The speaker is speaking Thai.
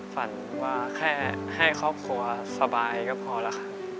ฝันว่าแค่ให้ครอบครัวสบายก็พอแล้วค่ะ